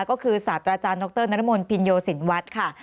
ก็คือศาสตราจารย์ดรนรมนภินโยสินวัฒน์ค่ะ